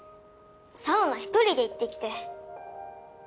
サウナ１人で行ってきて！